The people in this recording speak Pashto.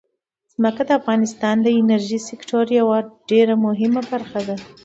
ځمکه د افغانستان د انرژۍ سکتور یوه ډېره مهمه برخه ده.